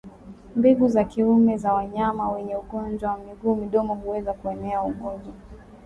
Mbegu za kiume za wanyama wenye ugonjwa wa miguu na midomo huweza kueneza ugonjwa